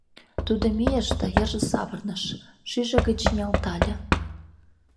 Тудо мийыш да йырже савырныш, шӱйжӧ гыч ниялтале.